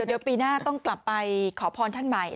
เดี๋ยวปีหน้าต้องกลับไปขอพรท่านใหม่